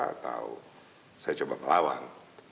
atau saya coba melawan